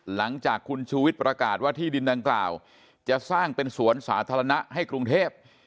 หลังจากคุณชูวิทย์ประกาศว่าที่ดินดังกล่าวจะสร้างเป็นสวนสาธารณะให้กรุงเทพ